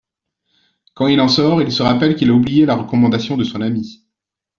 Quand il en sort, il se rappelle qu'il a oublié la recommandation de son ami.